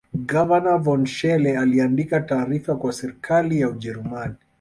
Gavana von Schele aliandika taarifa kwa serikali ya Ujerumani